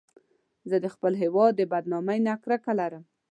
زه د خپل هېواد د بدنامۍ نه کرکه لرم